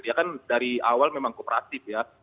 dia kan dari awal memang kooperatif ya